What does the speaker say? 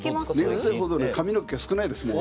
寝ぐせほどね髪の毛が少ないですもん。